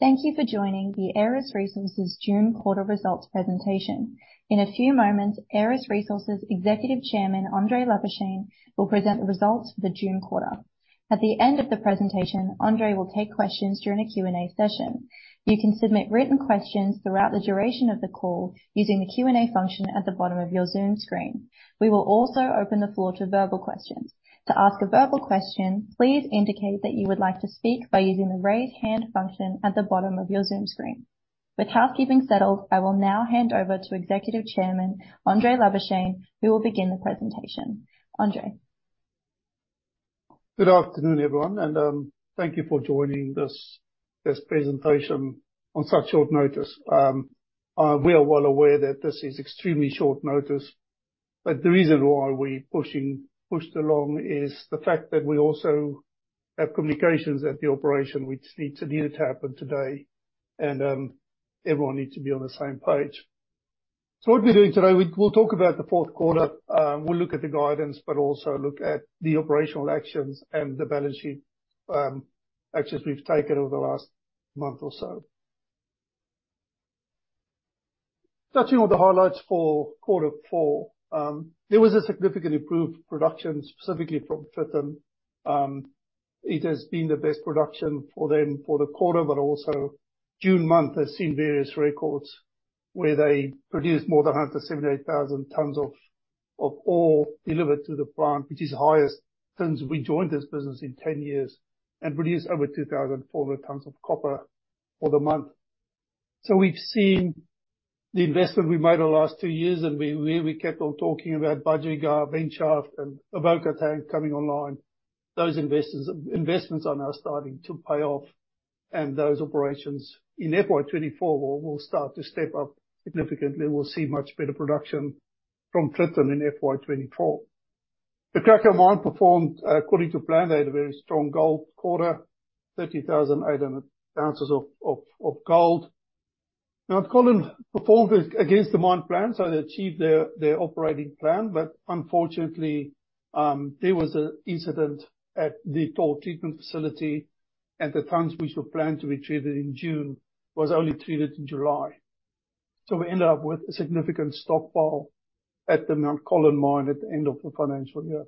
Thank you for joining the Aeris Resources June quarter results presentation. In a few moments, Aeris Resources Executive Chairman, Andre Labuschagne, will present the results for the June quarter. At the end of the presentation, Andre will take questions during a Q&A session. You can submit written questions throughout the duration of the call using the Q&A function at the bottom of your Zoom screen. We will also open the floor to verbal questions. To ask a verbal question, please indicate that you would like to speak by using the Raise Hand function at the bottom of your Zoom screen. With housekeeping settled, I will now hand over to Executive Chairman Andre Labuschagne, who will begin the presentation. Andre? Good afternoon, everyone, thank you for joining this, this presentation on such short notice. We are well aware that this is extremely short notice, but the reason why we're pushed along is the fact that we also have communications at the operation which need to happen today, and everyone needs to be on the same page. What we'll be doing today, we'll talk about the fourth quarter, we'll look at the guidance, but also look at the operational actions and the balance sheet actions we've taken over the last month or so. Starting with the highlights for quarter four. There was a significant improved production, specifically from Tritton. It has been the best production for them for the quarter, also June month has seen various records where they produced more than 178,000 tons of ore delivered to the plant, which is the highest since we joined this business in 10 years and produced over 2,400 tons of copper for the month. We've seen the investment we made over the last two years, and we kept on talking about Budgerygar, Venture and Avoca Tank coming online. Those investments are now starting to pay off, those operations in FY 2024 will start to step up significantly. We'll see much better production from Tritton in FY 2024. The Cracow mine performed according to plan. They had a very strong gold quarter, 30,800 ounces of gold. Mount Colin performed against the mine plan, they achieved their, their operating plan. Unfortunately, there was an incident at the ore treatment facility, and the tons which were planned to be treated in June was only treated in July. We ended up with a significant stockpile at the Mount Colin mine at the end of the financial year.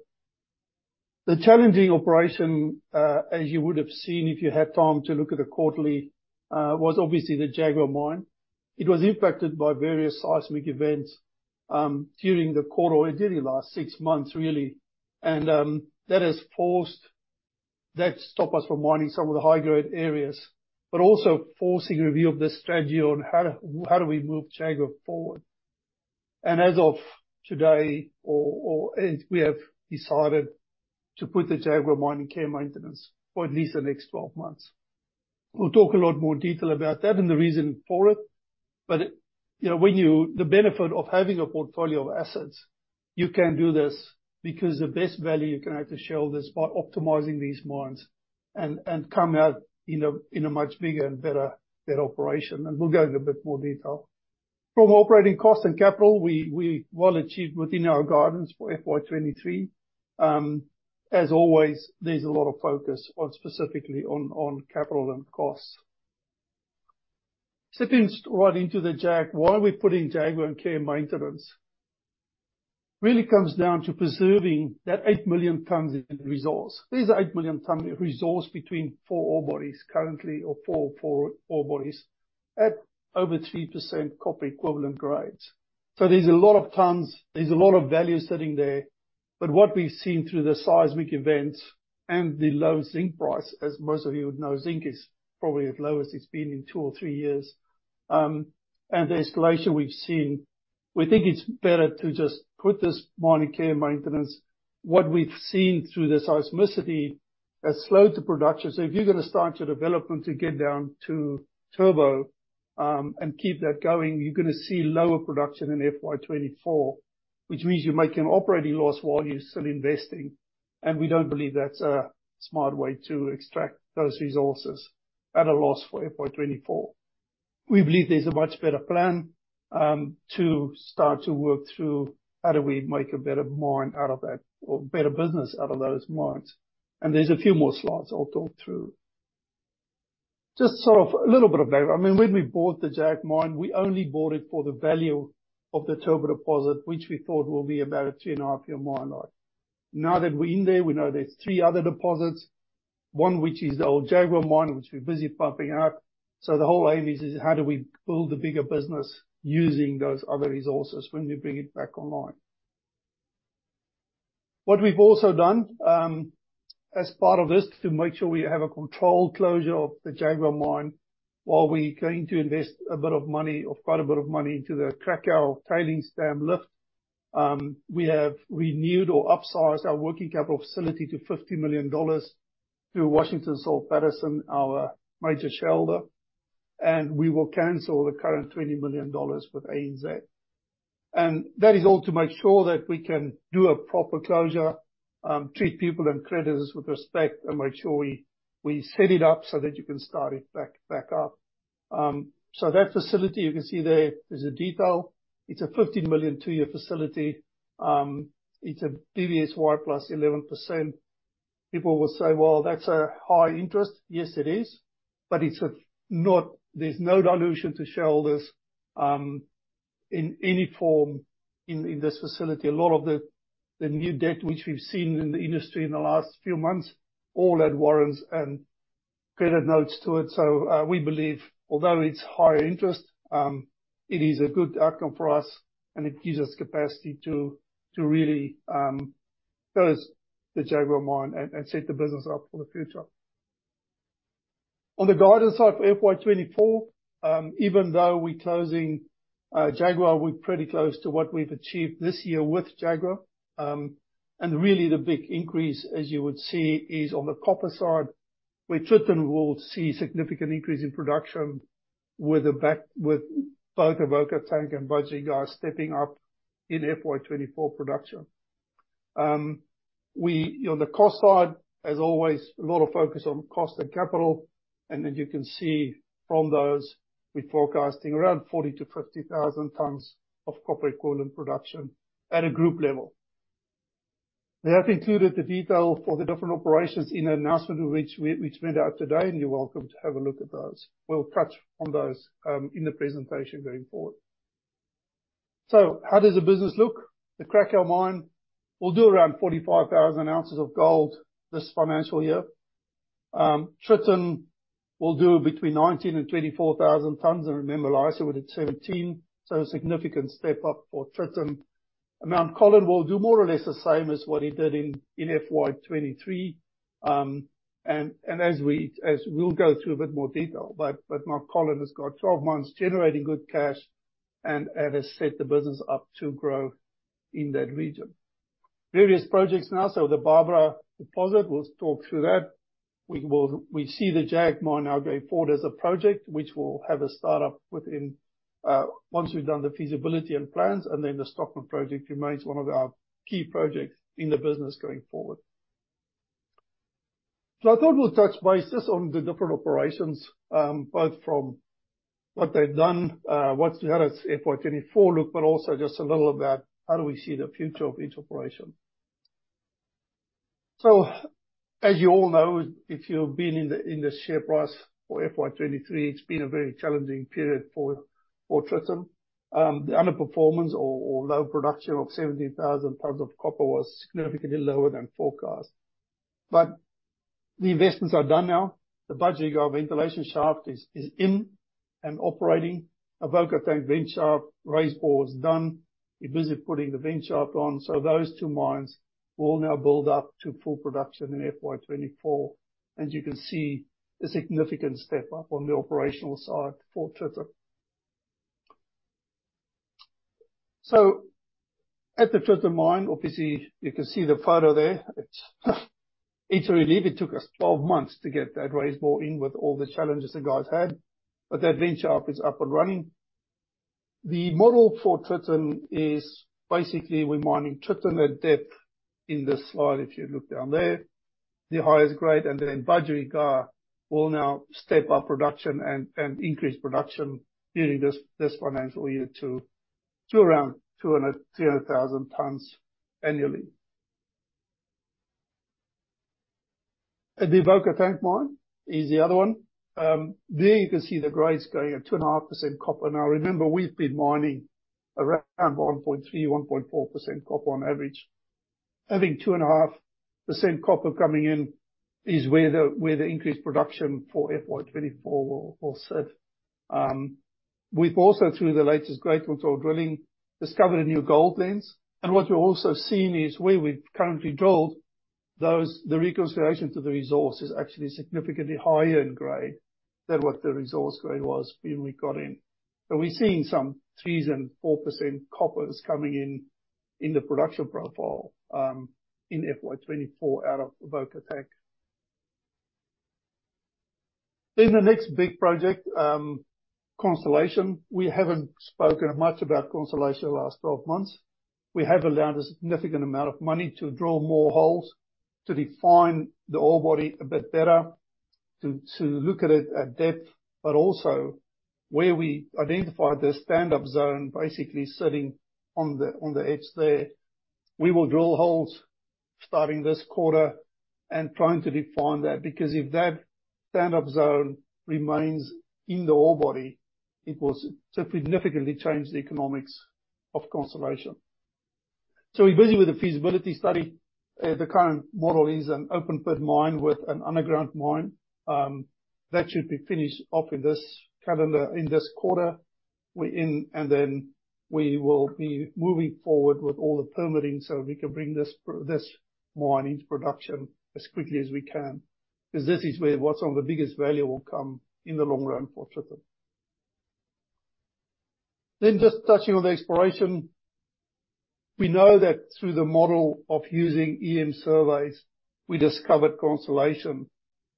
The challenging operation, as you would have seen if you had time to look at the quarterly, was obviously the Jaguar mine. It was impacted by various seismic events during the quarter. It did in the last six months, really, and that stopped us from mining some of the high-grade areas, but also forcing review of the strategy on how, how do we move Jaguar forward. As of today, we have decided to put the Jaguar mine in care maintenance for at least the next 12 months. We'll talk a lot more detail about that and the reason for it, but, you know, the benefit of having a portfolio of assets, you can do this because the best value you can have to show this by optimizing these mines and, and come out in a, in a much bigger and better, better operation. We'll go into a bit more detail. From operating costs and capital, we, we well achieved within our guidance for FY 2023. As always, there's a lot of focus on specifically on, on capital and costs. Sitting right into the Jag. Why are we putting Jaguar in care maintenance? Really comes down to preserving that 8 million tons in resource. There's 8 million tons of resource between 4 ore bodies currently, or 4, 4 ore bodies at over 3% copper equivalent grades. So there's a lot of tons, there's a lot of value sitting there. What we've seen through the seismic events and the low zinc price, as most of you would know, zinc is probably the lowest it's been in two or three years. And the escalation we've seen, we think it's better to just put this mine in care and maintenance. What we've seen through the seismicity has slowed the production. If you're going to start your development to get down to Turbo, and keep that going, you're going to see lower production in FY 2024, which means you're making an operating loss while you're still investing, and we don't believe that's a smart way to extract those resources at a loss for FY 2024. We believe there's a much better plan, to start to work through how do we make a better mine out of that or better business out of those mines. There's a few more slides I'll talk through. Just sort of a little bit of background. I mean, when we bought the Jag mine, we only bought it for the value of the Turbo deposit, which we thought will be about a two-and-a-half-year mine life. Now that we're in there, we know there's three other deposits, one which is the old Jaguar mine, which we're busy pumping out. The whole aim is, is how do we build a bigger business using those other resources when we bring it back online? What we've also done, as part of this, to make sure we have a controlled closure of the Jaguar mine, while we're going to invest a bit of money or quite a bit of money into the Cracow tailings dam lift. We have renewed or upsized our working capital facility to 50 million dollars through Washington H. Soul Pattinson, our major shareholder, and we will cancel the current 20 million dollars with ANZ. That is all to make sure that we can do a proper closure, treat people and creditors with respect, and make sure we, we set it up so that you can start it back, back up. That facility, you can see there, there's a detail. It's an 50 million, two year facility. It's a BBSY plus 11%. People will say, "Well, that's a high interest." Yes, it is, but there's no dilution to shareholders, in any form in this facility. A lot of the new debt which we've seen in the industry in the last few months, all add warrants and credit notes to it. We believe, although it's higher interest, it is a good outcome for us, and it gives us capacity to really close the Jaguar mine and set the business up for the future. On the guidance side for FY 2024, even though we're closing Jaguar, we're pretty close to what we've achieved this year with Jaguar. Really, the big increase, as you would see, is on the copper side, where Tritton will see significant increase in production with both Avoca Tank and Budgerygar stepping up in FY 2024 production. We, on the cost side, as always, a lot of focus on cost and capital, then you can see from those, we're forecasting around 40,000-50,000 tons of copper equivalent production at a group level. We have included the detail for the different operations in an announcement which we sent out today. You're welcome to have a look at those. We'll touch on those in the presentation going forward. How does the business look? The Cracow mine will do around 45,000 ounces of gold this financial year. Tritton will do between 19,000 and 24,000 tons. Remember last year we did 17, a significant step up for Tritton. Mount Colin will do more or less the same as what he did in FY 2023. As we'll go through a bit more detail, Mount Colin has got 12 months generating good cash and has set the business up to grow in that region. Various projects now. The Barbara deposit, we'll talk through that. We see the Jag mine now going forward as a project, which will have a start-up within once we've done the feasibility and plans. Then the Stockman project remains one of our key projects in the business going forward. I thought we'll touch base just on the different operations, both from what they've done, what's ahead as FY 2024 look, but also just a little about how do we see the future of each operation. As you all know, if you've been in the, in the share price for FY 2023, it's been a very challenging period for, for Tritton. The underperformance or, or low production of 17,000 tons of copper was significantly lower than forecast. The investments are done now. The Budgerygar ventilation shaft is in and operating. Avoca Tank vent shaft raise bore is done. We're busy putting the vent shaft on. Those two mines will now build up to full production in FY 2024, and you can see a significant step up on the operational side for Tritton. At the Tritton mine, obviously, you can see the photo there. It's a relief. It took us 12 months to get that raise bore in with all the challenges the guys had, but that vent shaft is up and running. The model for Tritton is basically, we're mining Tritton at depth in this slide, if you look down there. The highest grade, and then Budgerygar will now step up production and, and increase production during this, this financial year to, to around 200,000-300,000 tons annually. At the Avoca Tank mine is the other one. There you can see the grades going at 2.5% copper. Now, remember, we've been mining around 1.3%-1.4% copper on average. I think 2.5% copper coming in is where the, where the increased production for FY 2024 will, will sit. We've also, through the latest grade control drilling, discovered a new gold lens. What we're also seeing is, where we've currently drilled, those the reconciliation to the resource is actually significantly higher in grade than what the resource grade was when we got in. We're seeing some 3%-4% coppers coming in, in the production profile, in FY 2024 out of Avoca Tank. The next big project, Constellation. We haven't spoken much about Constellation the last 12 months. We have allowed a significant amount of money to drill more holes, to define the ore body a bit better, to, to look at it at depth. Also where we identified the stand-up zone, basically sitting on the edge there. We will drill holes starting this quarter and trying to define that. If that stand-up zone remains in the ore body, it will significantly change the economics of Constellation. We're busy with the feasibility study. The current model is an open pit mine with an underground mine. That should be finished off in this calendar, in this quarter we're in. We will be moving forward with all the permitting so we can bring this mine into production as quickly as we can, because this is where what's on the biggest value will come in the long run for Tritton. Just touching on the exploration. We know that through the model of using EM surveys, we discovered Constellation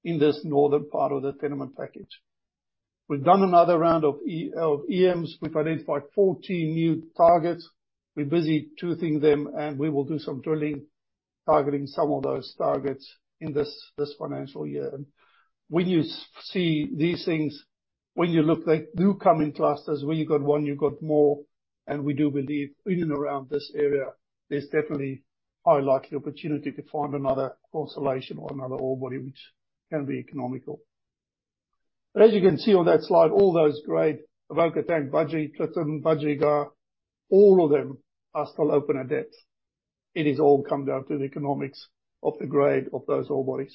in this northern part of the tenement package. We've done another round of EMs. We've identified 14 new targets. We're busy toothing them, and we will do some drilling targeting some of those targets in this, this financial year. When you see these things, when you look, they do come in clusters. Where you got one, you got more, and we do believe in and around this area, there's definitely a high likely opportunity to find another Constellation or another ore body, which can be economical. As you can see on that slide, all those grade, Avoca Tank, Budgie, Clutton, Budgerygar, all of them are still open at depth. It is all come down to the economics of the grade of those ore bodies.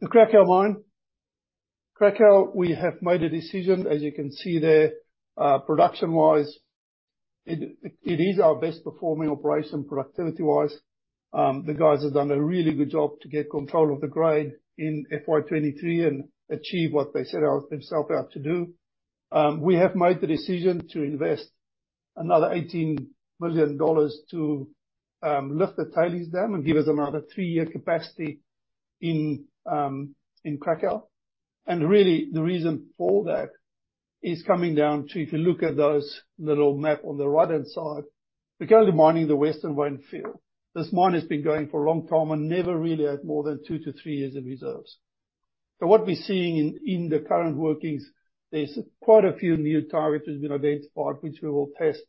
The Cracow Mine. Cracow, we have made a decision, as you can see there, production-wise, it, it is our best performing operation productivity-wise. The guys have done a really good job to get control of the grade in FY 2023 and achieve what they set themselves out to do. We have made the decision to invest another 18 million dollars to lift the tailings dam and give us another three year capacity in Cracow. Really, the reason for that is coming down to, if you look at those little map on the right-hand side, we're currently mining the Western Vein field. This mine has been going for a long time and never really had more than two to three years of reserves. What we're seeing in, in the current workings, there's quite a few new targets that have been identified, which we will test,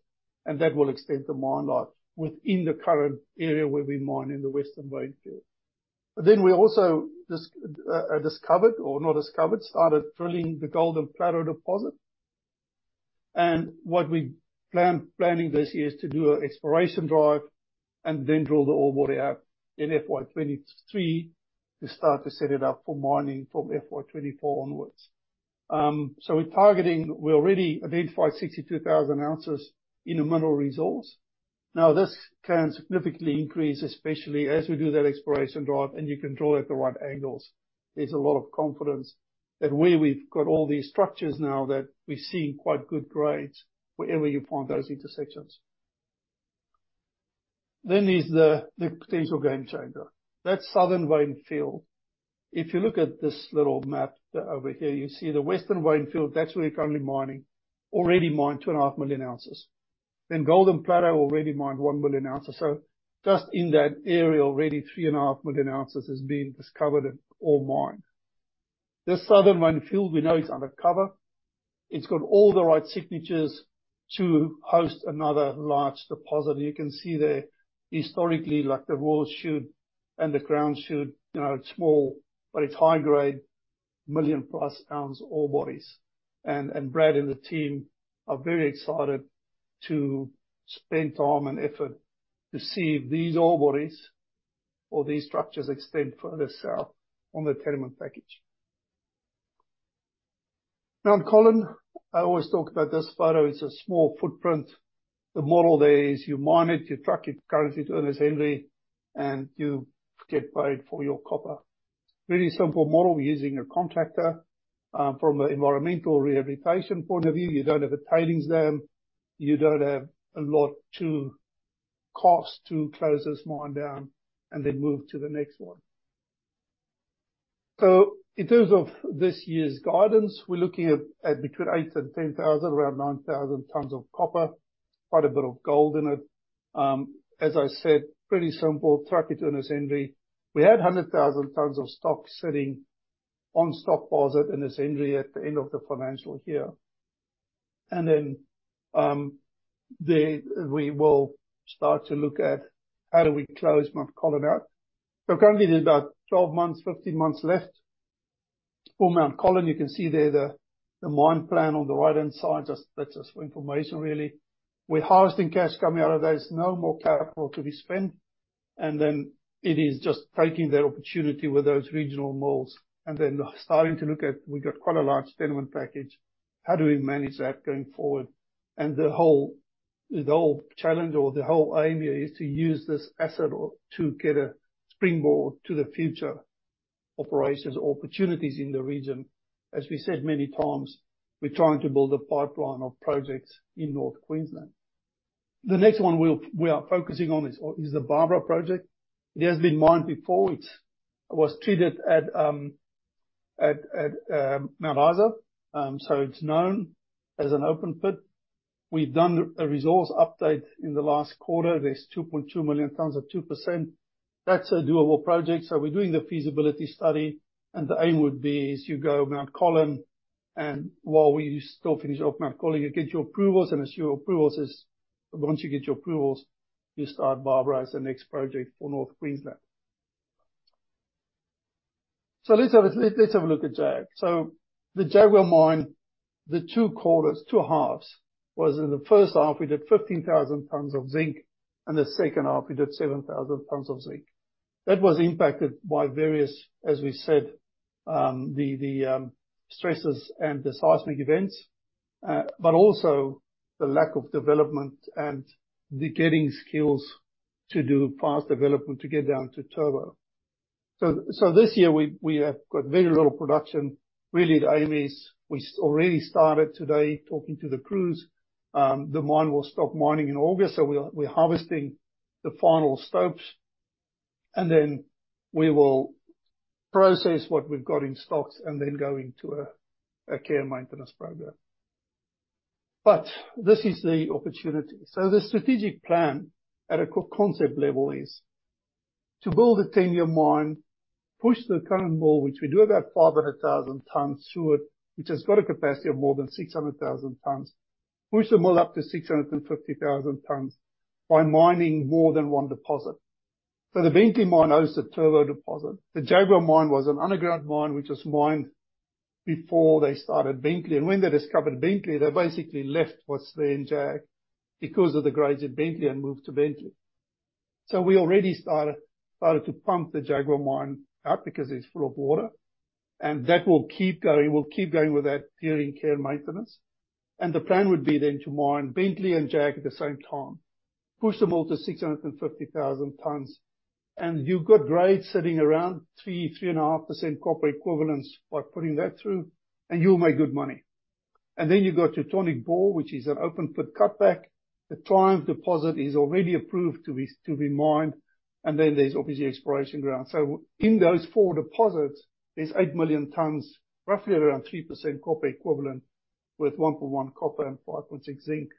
and that will extend the mine life within the current area where we mine in the Western Vein field. We also discovered, or not discovered, started drilling the Golden Plateau deposit. What we plan, planning this year is to do an exploration drive and then drill the ore body out in FY 2023 to start to set it up for mining from FY 2024 onwards. We're targeting. We already identified 62,000 ounces in a mineral resource. Now, this can significantly increase, especially as we do that exploration drive, and you can drill at the right angles. There's a lot of confidence that where we've got all these structures now that we're seeing quite good grades wherever you find those intersections. There's the, the potential game changer. That's Southern Vein field. If you look at this little map over here, you see the Western Vein field, that's where we're currently mining. Already mined 2.5 million ounces. Golden Plateau already mined 1 million ounces. Just in that area, already 3.5 million ounces has been discovered and ore mined. This Southern Vein field, we know it's under cover. It's got all the right signatures to host another large deposit. You can see there, historically, like, the wall shoot and the ground shoot, you know, it's small, but it's high grade, 1 million-plus pounds ore bodies. Brad and the team are very excited to spend time and effort to see if these ore bodies or these structures extend further south on the tenement package. Mount Colin, I always talk about this photo. It's a small footprint. The model there is you mine it, you truck it currently to Ernest Henry, and you get paid for your copper. Really simple model, we're using a contractor. From an environmental rehabilitation point of view, you don't have a tailings dam, you don't have a lot to cost to close this mine down and then move to the next one. In terms of this year's guidance, we're looking at, at between 8,000 and 10,000, around 9,000 tons of copper, quite a bit of gold in it. As I said, pretty simple, truck it to Ernest Henry. We had 100,000 tons of stock sitting on stock posit in this entry at the end of the financial year. Then, we will start to look at how do we close Mount Colin out. Currently, there's about 12 months, 15 months left for Mount Colin. You can see there the, the mine plan on the right-hand side, that's just for information, really. With harvesting cash coming out of there, there's no more capital to be spent, then it is just taking that opportunity with those regional malls, then starting to look at, we got quite a large tenement package. How do we manage that going forward? The whole, the whole challenge or the whole aim here is to use this asset or to get a springboard to the future operations or opportunities in the region. As we said many times, we're trying to build a pipeline of projects in North Queensland. The next one we are focusing on is the Barbara project. It has been mined before. It was treated at Mount Isa. It's known as an open pit. We've done a resource update in the last quarter. There's 2.2 million tons at 2%. That's a doable project, so we're doing the feasibility study, and the aim would be is you go Mount Collin, and while we still finish off Mount Collin, you get your approvals, and as your approvals is Once you get your approvals, you start Barbara as the next project for North Queensland. Let's have a, let's have a look at Jag. The Jaguar mine, the two quarters, two halves, was in the first half, we did 15,000 tons of zinc, and the second half, we did 7,000 tons of zinc. That was impacted by various, as we said, the stresses and the seismic events, but also the lack of development and the getting skills to do fast development to get down to Turbo. This year, we have got very little production. Really, the aim is, we already started today talking to the crews, the mine will stop mining in August, so we're harvesting the final stopes, and then we will process what we've got in stocks and then go into a care and maintenance program. This is the opportunity. The strategic plan at a co-concept level is to build a 10-year mine, push the current mill, which we do about 500,000 tons through it, which has got a capacity of more than 600,000 tons. Push the mill up to 650,000 tons by mining more than one deposit. The Bentley mine hosts the Turbo deposit. The Jaguar mine was an underground mine, which was mined before they started Bentley. When they discovered Bentley, they basically left what's there in Jag, because of the grades at Bentley and moved to Bentley. We already started, started to pump the Jaguar mine out because it's full of water, and that will keep going. We'll keep going with that during care and maintenance. The plan would be then to mine Bentley and Jag at the same time, push the mill to 650,000 tons, and you've got grades sitting around 3-3.5% copper equivalents by putting that through, and you'll make good money. Then you go to Teutonic Bore, which is an open pit cutback. The Triumph deposit is already approved to be mined, and then there's obviously exploration ground. In those four deposits, there's 8 million tons, roughly around 3% copper equivalent, with 1.1 copper and 5.6 zinc.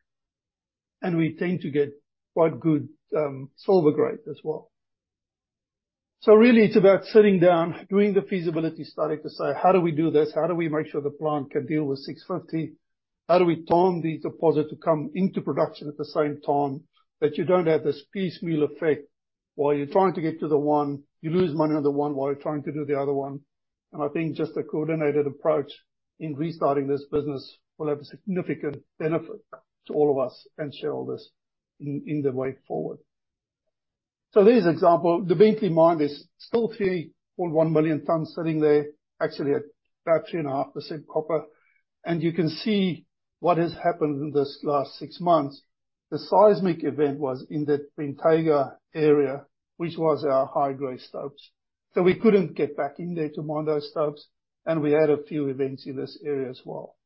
We tend to get quite good silver grade as well. Really it's about sitting down, doing the feasibility study to say: How do we do this? How do we make sure the plant can deal with 650? How do we time the deposit to come into production at the same time, that you don't have this piecemeal effect while you're trying to get to the one, you lose money on the one while you're trying to do the other one? I think just a coordinated approach in restarting this business will have a significant benefit to all of us and shareholders in, in the way forward. There's an example. The Bentley mine is still 3.1 million tons sitting there, actually at about 3.5% copper. You can see what has happened in this last six months. The seismic event was in the Bentayga area, which was our high-grade stopes. We couldn't get back in there to mine those stopes, and we had a few events in this area as well.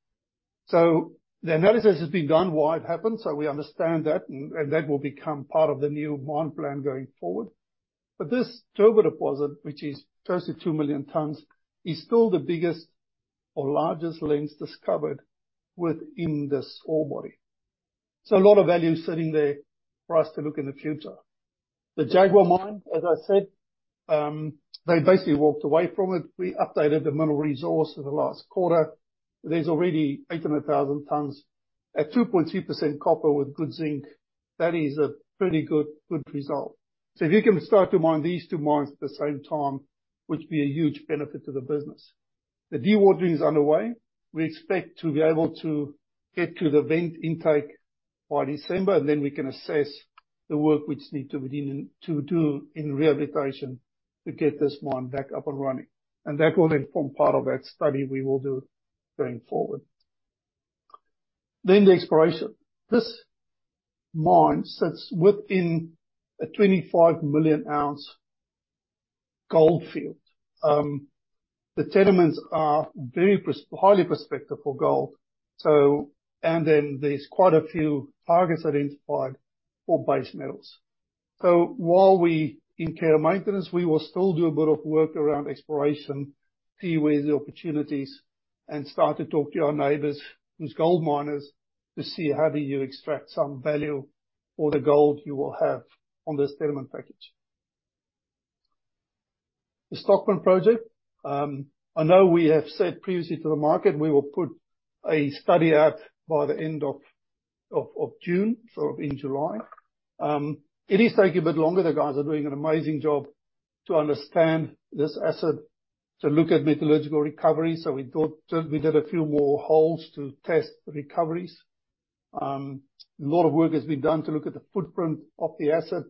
The analysis has been done, why it happened, so we understand that, and, and that will become part of the new mine plan going forward. This Turbo deposit, which is 32 million tons, is still the biggest or largest lens discovered within this ore body. A lot of value is sitting there for us to look in the future. The Jaguar mine, as I said, they basically walked away from it. We updated the mineral resource in the last quarter. There's already 800,000 tons at 2.2% copper with good zinc. That is a pretty good, good result. If you can start to mine these two mines at the same time, which be a huge benefit to the business. The dewatering is underway. We expect to be able to get to the vent intake by December, then we can assess the work to do in rehabilitation to get this mine back up and running. That will then form part of that study we will do going forward. The exploration. This mine sits within a 25 million-ounce gold field. The sediments are very highly prospective for gold. Then there's quite a few targets identified for base metals. While we're in care and maintenance, we will still do a bit of work around exploration, see where the opportunities, and start to talk to our neighbors, who's gold miners, to see how do you extract some value for the gold you will have on this sediment package. The Stockman project. I know we have said previously to the market, we will put a study out by the end of June, so in July. It is taking a bit longer. The guys are doing an amazing job to understand this asset, to look at metallurgical recovery, so we did a few more holes to test the recoveries. A lot of work has been done to look at the footprint of the asset.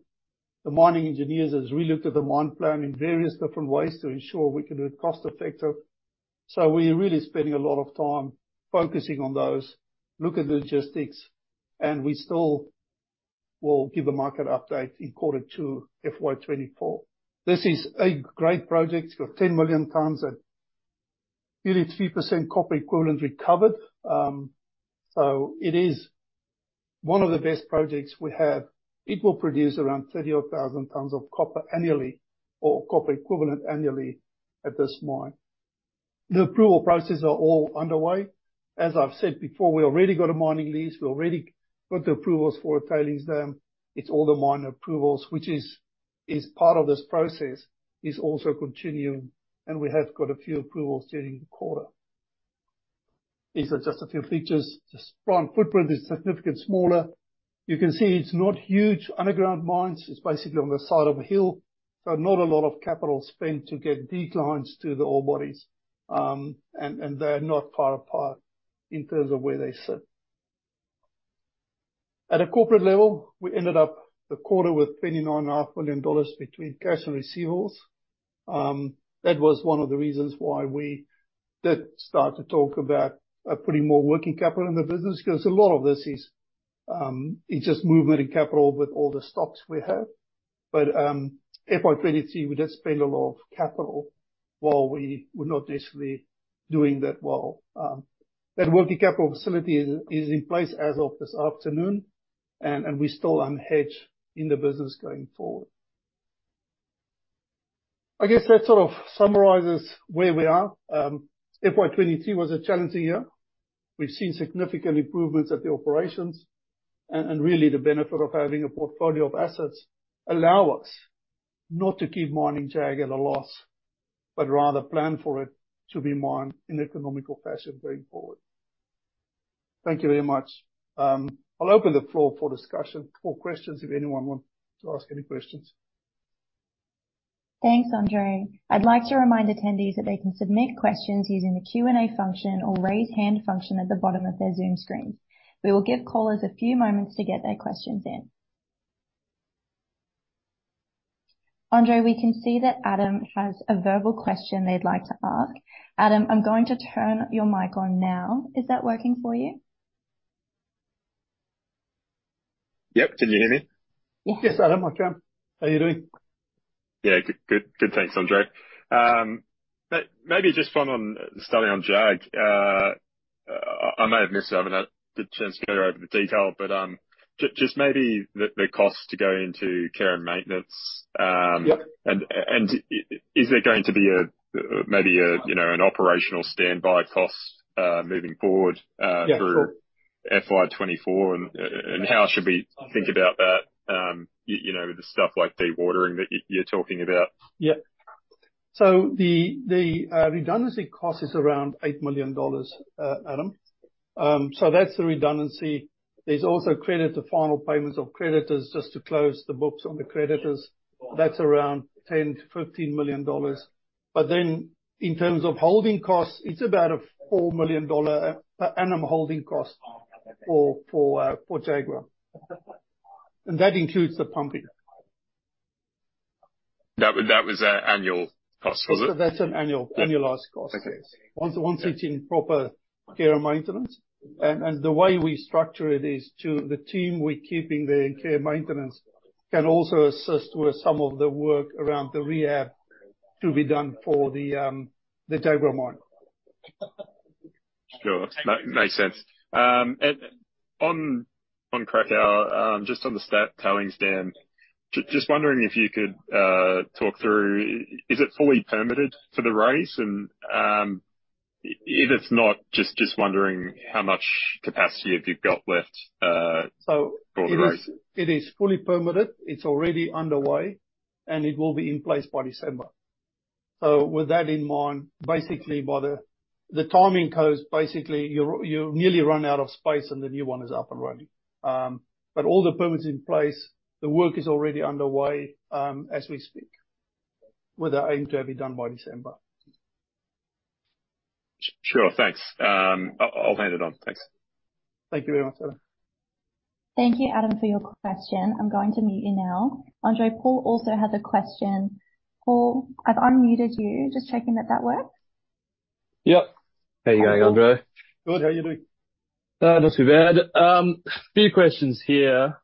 The mining engineers has relooked at the mine plan in various different ways to ensure we can do it cost-effective. We're really spending a lot of time focusing on those, look at the logistics, and we still will give the market update in quarter two, FY 2024. This is a great project. It's got 10 million tons at nearly 3% copper equivalent recovered. It is one of the best projects we have. It will produce around 30 odd thousand tons of copper annually or copper equivalent annually at this mine. The approval processes are all underway. As I've said before, we already got a mining lease, we already got the approvals for a tailings dam. It's all the miner approvals, which is, is part of this process, is also continuing, and we have got a few approvals during the quarter. These are just a few features. The spine footprint is significantly smaller. You can see it's not huge underground mines. It's basically on the side of a hill, so not a lot of capital spent to get declines to the ore bodies, and, and they're not far apart in terms of where they sit. At a corporate level, we ended up the quarter with 39.5 million dollars between cash and receivables. That was one of the reasons why we did start to talk about putting more working capital in the business, because a lot of this is, it's just movement in capital with all the stocks we have. FY 2023, we did spend a lot of capital while we were not necessarily doing that well. That working capital facility is, is in place as of this afternoon, and, and we still unhedge in the business going forward. I guess that sort of summarizes where we are. FY23 was a challenging year. We've seen significant improvements at the operations, and really, the benefit of having a portfolio of assets allow us not to keep mining Jag at a loss, but rather plan for it to be mined in an economical fashion going forward. Thank you very much. I'll open the floor for discussion, for questions, if anyone wants to ask any questions. Thanks, Andre. I'd like to remind attendees that they can submit questions using the Q&A function or raise hand function at the bottom of their Zoom screens. We will give callers a few moments to get their questions in. Andre, we can see that Adam has a verbal question they'd like to ask. Adam, I'm going to turn your mic on now. Is that working for you? Yep. Can you hear me? Yes, Adam, I can. How are you doing? Yeah, good, good, good. Thanks, Andre. Maybe just one on starting on Jag. I might have missed it. I've not the chance to go over the detail, but just maybe the cost to go into care and maintenance? Yeah. Is there going to be a, maybe a, you know, an operational standby cost, moving forward? Yeah, sure. -for FY 2024, and how should we think about that? you know, the stuff like dewatering that you're talking about. Yeah. The, the, redundancy cost is around 8 million dollars, Adam. That's the redundancy. There's also credit to final payments of creditors, just to close the books on the creditors, that's around 10 million-15 million dollars. Then, in terms of holding costs, it's about a 4 million dollar annual holding cost for, for, for Jaguar. That includes the pumping. That was, that was a annual cost, was it? That's an annual, annualized cost. Okay. Once, once it's in proper care and maintenance. And the way we structure it is to the team we're keeping there in care maintenance, can also assist with some of the work around the rehab to be done for the, the Jaguar mine. Sure. Makes sense. On, on Cracow, just on the tailings dam. Just wondering if you could talk through, is it fully permitted for the raise? If it's not, just wondering how much capacity have you got left for the raise? It is, it is fully permitted, it's already underway, and it will be in place by December. With that in mind, basically by the, the timing coast, basically, you've nearly run out of space and the new one is up and running. All the permits in place, the work is already underway, as we speak, with the aim to have it done by December. Sure. Thanks. I'll hang it on. Thanks. Thank you very much, Adam. Thank you, Adam, for your question. I'm going to mute you now. Andre, Paul also has a question. Paul, I've unmuted you. Just checking that that worked. Yep. How you going, Andre? Good. How are you doing? Not too bad. A few questions here.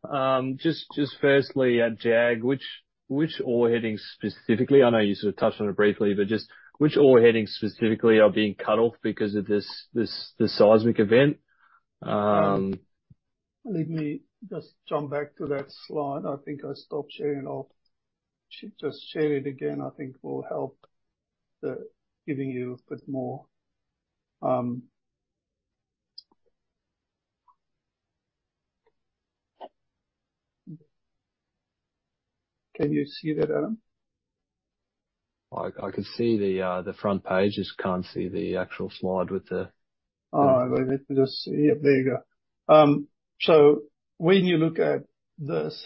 Just firstly, at Jag, which ore headings specifically, I know you sort of touched on it briefly, but just which ore headings specifically are being cut off because of this seismic event? Let me just jump back to that slide. I think I stopped sharing it. I'll just share it again, I think will help the, giving you a bit more. Can you see that, Adam? I, I can see the, the front page. Just can't see the actual slide with the- Oh, let me just... Yep, there you go. When you look at this,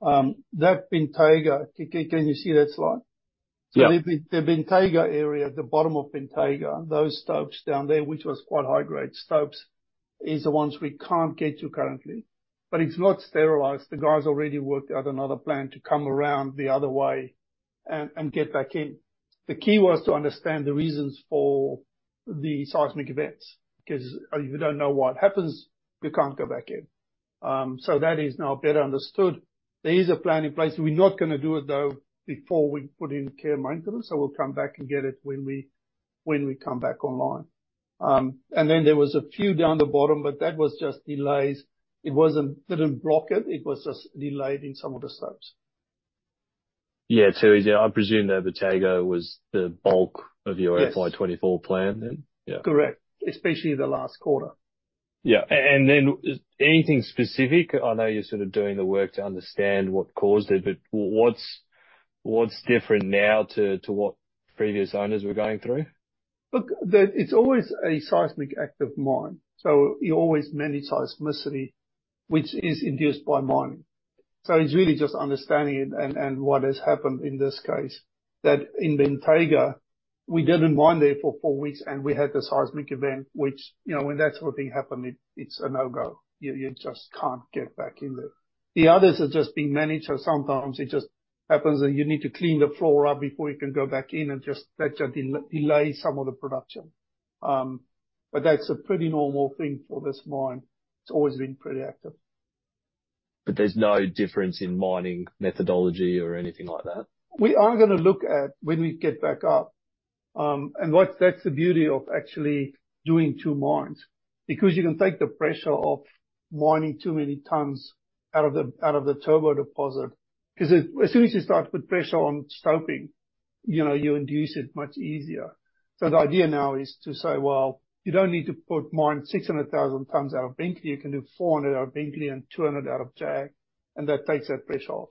that Bentayga, can you see that slide? Yeah. The Bentayga area, at the bottom of Bentayga, those stopes down there, which was quite high-grade stopes, is the ones we can't get to currently. It's not sterilized. The guys already worked out another plan to come around the other way and, and get back in. The key was to understand the reasons for the seismic events, 'cause if you don't know what happens, you can't go back in. That is now better understood. There is a plan in place. We're not gonna do it, though, before we put in care and maintenance. We'll come back and get it when we, when we come back online. There was a few down the bottom, but that was just delays. It wasn't, didn't block it, it was just delayed in some of the stopes. Yeah. I presume that Bentayga was the bulk of your- Yes FY 2024 plan then? Yeah. Correct. Especially the last quarter. Yeah. Then anything specific? I know you're sort of doing the work to understand what caused it, but what's different now to, to what previous owners were going through? Look, it's always a seismic active mine, you always manage seismicity, which is induced by mining. It's really just understanding it and what has happened in this case, that in Bentayga, we didn't mine there for four weeks, and we had the seismic event, which, you know, when that sort of thing happened, it, it's a no-go. You, you just can't get back in there. The others are just being managed, sometimes it just happens that you need to clean the floor up before you can go back in and just let you delay some of the production. That's a pretty normal thing for this mine. It's always been pretty active. There's no difference in mining methodology or anything like that? We are gonna look at, when we get back up. That's the beauty of actually doing two mines, because you can take the pressure off mining too many tons out of the, out of the Turbo deposit. Because as, as soon as you start to put pressure on stoping, you know, you induce it much easier. The idea now is to say, "Well, you don't need to put mine 600,000 tons out of Bentley. You can do 400 out of Bentley and 200 out of Jag," and that takes that pressure off.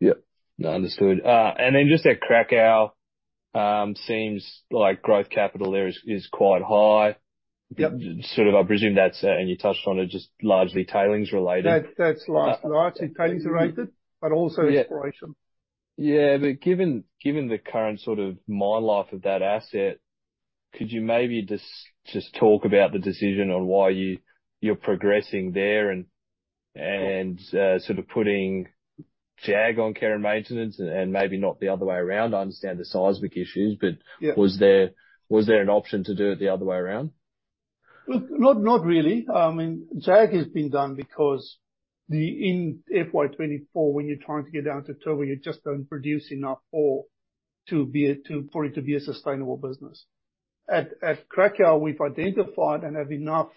Yep. No, understood. Then just at Cracow, seems like growth capital there is, is quite high. Yep. Sort of, I presume that's, and you touched on it, just largely tailings related. That's largely tailings related, but also. Yeah -exploration. Yeah, but given, given the current sort of mine life of that asset, could you maybe just, just talk about the decision on why you're progressing there and, and, sort of putting Jag on care and maintenance and, and maybe not the other way around? I understand the seismic issues, but. Yeah. was there, was there an option to do it the other way around? Well, not, not really. I mean, Jag has been done because in FY 2024, when you're trying to get down to Turbo, you just don't produce enough ore to be a sustainable business. At Cracow, we've identified and have enough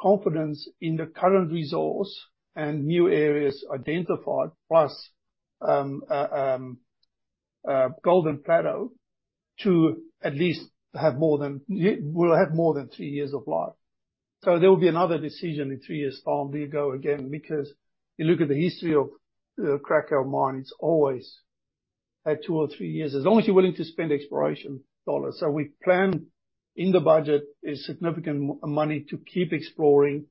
confidence in the current resource and new areas identified, plus Golden Plateau, to at least have. We'll have more than three years of life. There will be another decision in three years' time. We go again. You look at the history of the Cracow mine. It's always had two or three years, as long as you're willing to spend exploration AUD. We plan, in the budget, a significant money to keep exploring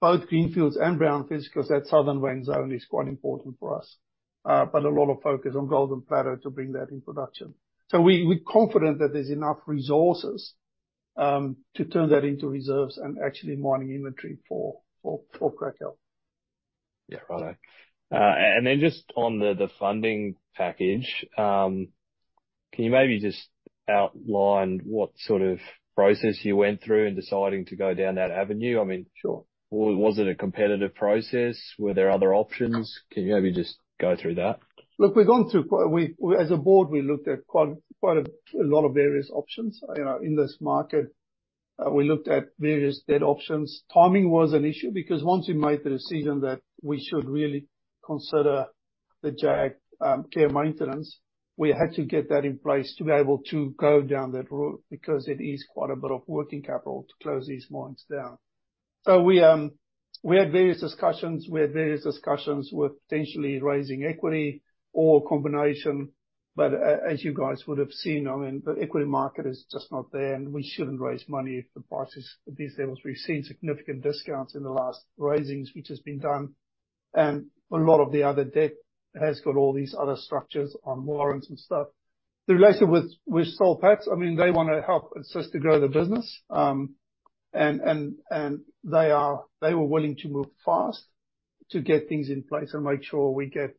both greenfields and brownfields, because that Southern Vein zone is quite important for us. A lot of focus on Golden Plateau to bring that in production. We, we're confident that there's enough resources to turn that into reserves and actually mining inventory for, for, for Cracow. Yeah. Right. Then just on the, the funding package, can you maybe just outline what sort of process you went through in deciding to go down that avenue? I mean... Sure. Was, was it a competitive process? Were there other options? Can you maybe just go through that? Look, we, as a board, we looked at quite a lot of various options, you know, in this market. We looked at various debt options. Timing was an issue, because once we made the decision that we should really consider the Jag care and maintenance, we had to get that in place to be able to go down that route, because it is quite a bit of working capital to close these mines down. We had various discussions. We had various discussions with potentially raising equity or a combination, but as you guys would have seen, I mean, the equity market is just not there, and we shouldn't raise money if the price is at these levels. We've seen significant discounts in the last raisings, which has been done, and a lot of the other debt has got all these other structures on warrants and stuff. The relationship with, with Soul Patts, I mean, they wanna help us to grow the business, and, and, and they were willing to move fast to get things in place and make sure we get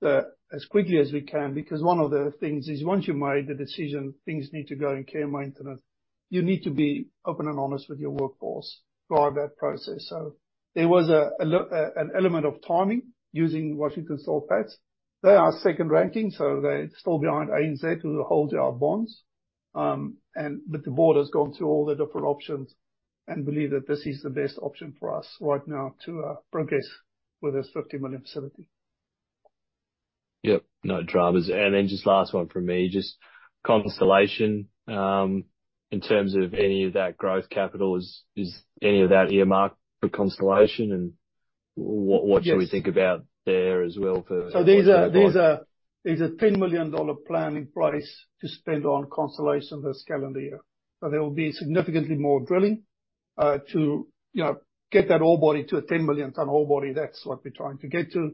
the... as quickly as we can. One of the things is, once you've made the decision, things need to go in care and maintenance, you need to be open and honest with your workforce throughout that process. There was an element of timing using working with Soul Patts. They are second ranking, so they're still behind ANZ, who hold our bonds. The board has gone through all the different options and believe that this is the best option for us right now to, progress with this 50 million facility. Yep. No dramas. Then just last one from me, just Constellation. In terms of any of that growth capital, is, is any of that earmarked for Constellation? Yes what should we think about there as well for- There's a 10 million dollar planning price to spend on Constellation this calendar year. There will be significantly more drilling, to, you know, get that ore body to a 10 million ton ore body. That's what we're trying to get to.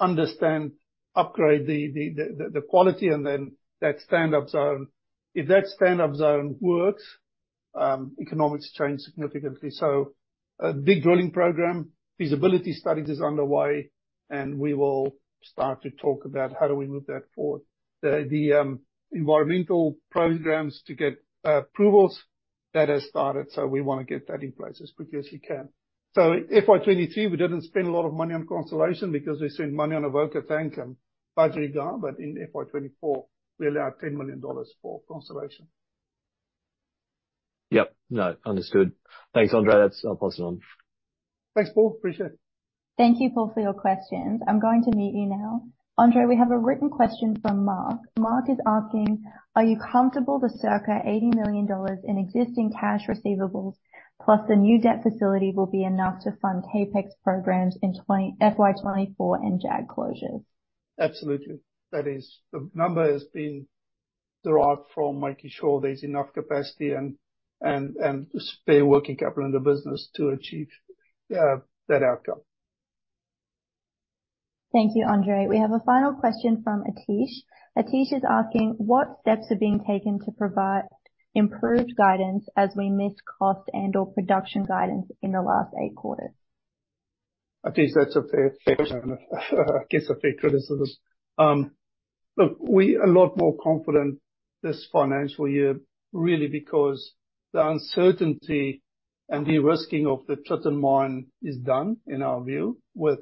Understand, upgrade the quality, and then that standup zone. If that standup zone works, economics change significantly. A big drilling program, feasibility study is underway, and we will start to talk about how do we move that forward. The environmental programs to get approvals, that has started, we want to get that in place as quickly as we can. FY 2023, we didn't spend a lot of money on Constellation because we spent money on Avoca Tank and Budgeryga, but in FY 2024, we allowed $10 million for Constellation. Yep. No, understood. Thanks, Andre. That's passed on. Thanks, Paul. Appreciate it. Thank you, Paul, for your questions. I'm going to mute you now. Andre, we have a written question from Mark. Mark is asking: Are you comfortable the circa 80 million dollars in existing cash receivables, plus the new debt facility, will be enough to fund CapEx programs in FY 2024 and Jag closures? Absolutely. That is, the number has been derived from making sure there's enough capacity and spare working capital in the business to achieve that outcome. Thank you, Andre. We have a final question from Athish. Athish is asking: What steps are being taken to provide improved guidance as we miss cost and/or production guidance in the last eight quarters? Athish, that's a fair, fair, I guess, a fair criticism. Look, we a lot more confident this financial year, really, because the uncertainty and de-risking of the Tritton mine is done, in our view, with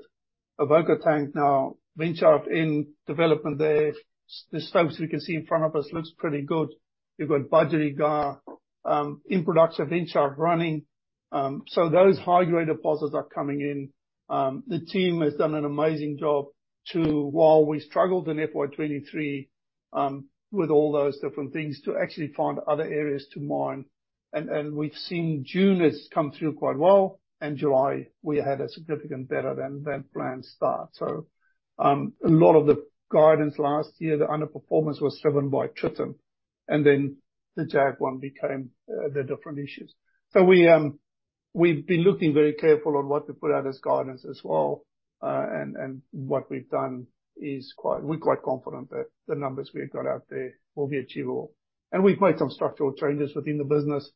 Avoca Tank now wind chart in development there. The stocks we can see in front of us looks pretty good. We've got Budgerygar in production, wind chart running. Those high-grade deposits are coming in. The team has done an amazing job to, while we struggled in FY23, with all those different things, to actually find other areas to mine. And we've seen June has come through quite well, and July, we had a significant better than, than planned start. A lot of the guidance last year, the underperformance was driven by Tritton, and then the Jag one became the different issues. We, we've been looking very careful on what to put out as guidance as well. What we've done is quite-- we're quite confident that the numbers we've got out there will be achievable. We've made some structural changes within the business,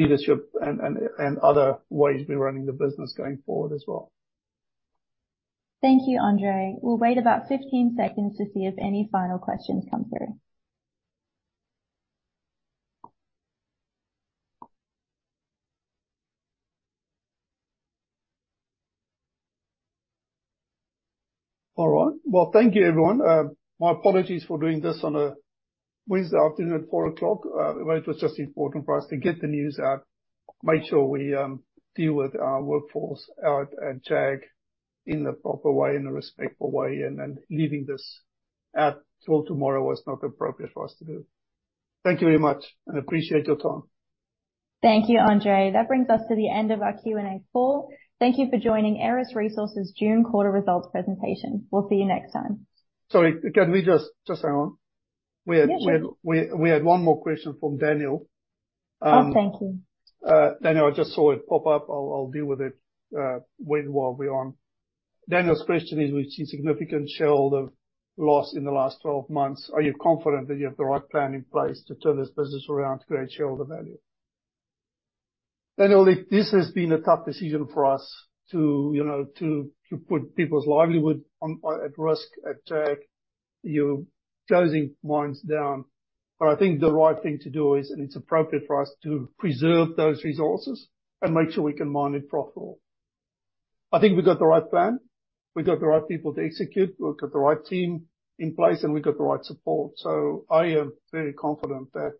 leadership and, and, and other ways we're running the business going forward as well. Thank you, Andre. We'll wait about 15 seconds to see if any final questions come through. All right. Well, thank you, everyone. My apologies for doing this on a Wednesday afternoon at 4:00 P.M. It was just important for us to get the news out, make sure we deal with our workforce out at Jag in the proper way, in a respectful way, and then leaving this till tomorrow was not appropriate for us to do. Thank you very much, and appreciate your time. Thank you, Andre. That brings us to the end of our Q&A call. Thank you for joining Aeris Resources' June quarter results presentation. We'll see you next time. Sorry, can we just, just hang on? Yeah, sure. We had one more question from Daniel. Oh, thank you. Daniel, I just saw it pop up. I'll, I'll deal with it when, while we're on. Daniel's question is: We've seen significant shareholder loss in the last 12 months. Are you confident that you have the right plan in place to turn this business around to create shareholder value? Daniel, this has been a tough decision for us to, you know, to, to put people's livelihood on at risk at Jag. You're closing mines down. I think the right thing to do is, and it's appropriate for us, to preserve those resources and make sure we can mine it profitable. I think we've got the right plan, we've got the right people to execute, we've got the right team in place, and we've got the right support. I am very confident that,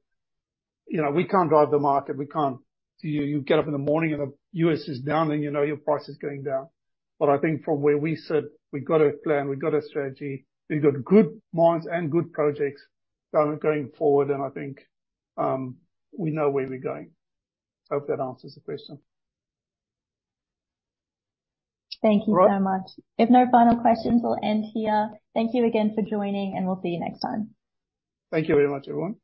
you know, we can't drive the market. We can't. You, you get up in the morning and the U.S. is down, and you know your price is going down. I think from where we sit, we've got a plan, we've got a strategy, we've got good mines and good projects going, going forward, and I think, we know where we're going. I hope that answers the question. Thank you so much. All right. If no final questions, we'll end here. Thank you again for joining, and we'll see you next time. Thank you very much, everyone.